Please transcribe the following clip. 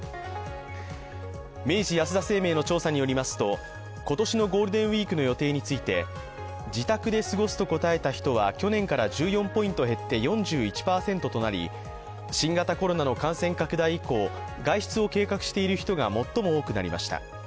明治安田生命の調査によりますと、今年のゴールデンウイークの予定について自宅で過ごすと答えた人は去年から１４ポイント減って４１％となり、新型コロナの感染拡大以降、外出を計画している人が最も多くなりました。